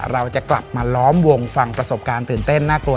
เราจะกลับมาล้อมวงฟังประสบการณ์ตื่นเต้นน่ากลัว